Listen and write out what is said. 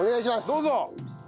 どうぞ！